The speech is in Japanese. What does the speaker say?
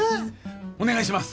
お願いします